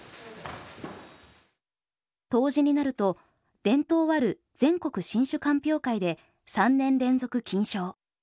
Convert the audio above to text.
杜氏になると伝統ある全国新酒鑑評会で３年連続金賞。